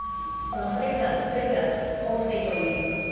このフレグラントフレグランス香水という意味です。